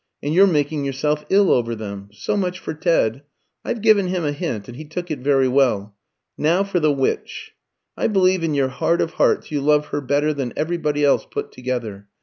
And you're making yourself ill over them. So much for Ted. I've given him a hint, and he took it very well. Now for the Witch. I believe in your heart of hearts you love her better than everybody else put together.